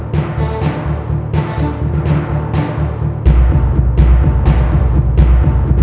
ร้องได้ไอลาร้องได้ไอลา